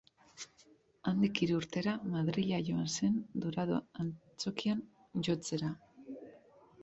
Handik hiru urtera Madrila joan zen Dorado Antzokian jotzera.